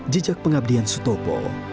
jejak pengabdian sutopo